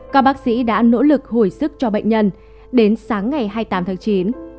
các bác sĩ đã nỗ lực hồi sức cho bệnh nhân đến sáng ngày hai mươi tám tháng chín